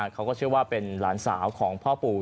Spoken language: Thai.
เขาก็เชื่อว่าเป็นหลานสาวของพ่อปู่